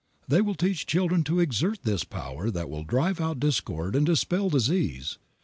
They will teach children to exert this power that will drive out discord and dispel disease.